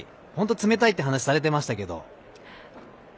冷たいっていう話をされてましたけど。